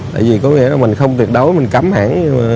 tại vì có nghĩa là mình không tuyệt đối mình cấm hãng